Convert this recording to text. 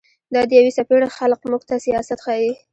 دا د يوې څپېړي خلق موږ ته سياست ښيي